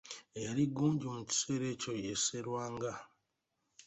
Eyali Ggunju mu kiseera ekyo ye Sserwanga.